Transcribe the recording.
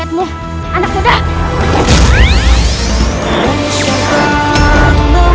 rasulullah their rahmanir rahim